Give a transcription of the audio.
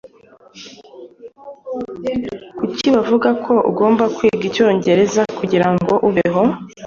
Kuki bavuga ko ugomba kwiga icyongereza kugirango ubeho?